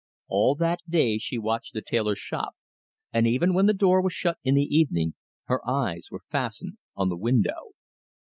All that day she watched the tailor's shop, and even when the door was shut in the evening, her eyes were fastened on the windows.